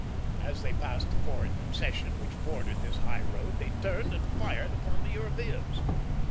As they passed the foreign concession, which bordered this high road, they turned and fired upon the Europeans.